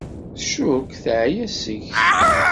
tcuk teɛya seg-s.